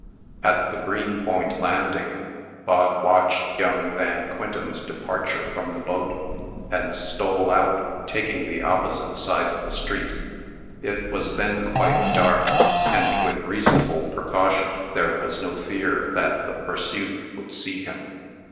At the Greenpoint landing, Bog watched young Van Quintem's departure from the boat, and stole out, taking the opposite side of the street. It was then quite dark, and, with reasonable precaution, there was no fear that the pursued would see him.